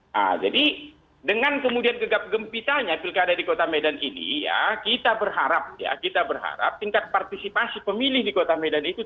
nah jadi dengan kemudian gegap gempitanya pilkada di kota medan ini ya kita berharap ya kita berharap tingkat partisipasi pemilih di kota medan itu